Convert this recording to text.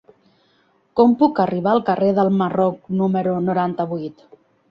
Com puc arribar al carrer del Marroc número noranta-vuit?